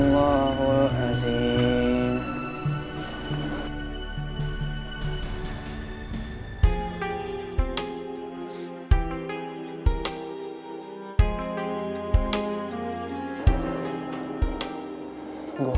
gatung keras ini dor